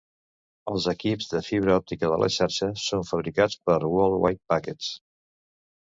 Els equips de fibra òptica de la xarxa són fabricats per World Wide Packets.